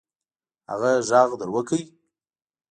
هغه ږغ در وکړئ.